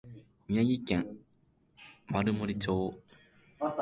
宮城県丸森町